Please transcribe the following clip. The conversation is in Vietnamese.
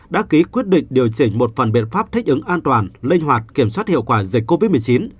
đã ký quyết định điều chỉnh một phần biện pháp thích ứng an toàn linh hoạt kiểm soát hiệu quả dịch covid một mươi chín